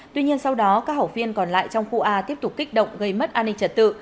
tuy nhiên sau đó các học viên còn lại trong khu a tiếp tục kích động gây mất an ninh trật tự